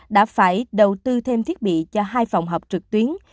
đã phải đầu tư thêm thiết bị cho hai phòng họp trực tuyến